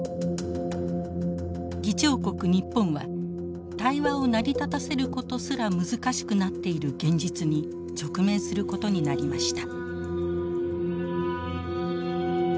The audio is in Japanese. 議長国日本は対話を成り立たせることすら難しくなっている現実に直面することになりました。